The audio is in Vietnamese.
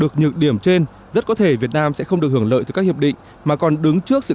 được nhược điểm trên rất có thể việt nam sẽ không được hưởng lợi từ các hiệp định mà còn đứng trước sự